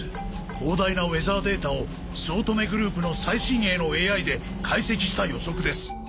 膨大なウェザーデータを酢乙女グループの最新鋭のＡＩで解析した予測です。